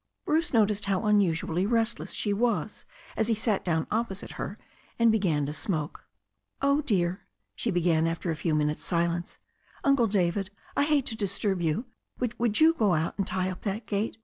Bruce noticed how unusually restless she was as he sat down opposite her and began to smoke. "Oh, dear," she began, after a few minutes' silence, "Uncle David, I hate to disturb you, but would you go out and tie up that gate